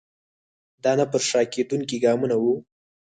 دا نه پر شا کېدونکي ګامونه وو.